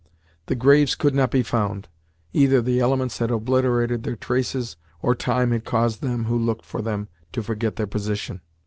The graves could not be found. Either the elements had obliterated their traces, or time had caused those who looked for them to forget their position.